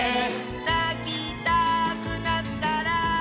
「なきたくなったら」